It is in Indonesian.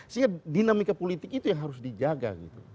sehingga dinamika politik itu yang harus dijaga